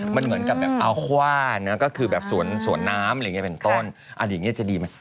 มันเหมือนกับแบบเอาคว่านนะก็คือแบบสวนสวนน้ำอะไรอย่างนี้เป็นต้นอะไรอย่างนี้จะดีไหม